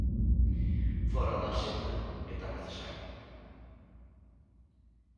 Fóra da axenda e tan necesario.